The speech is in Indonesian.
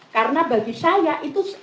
karena bagi saya itu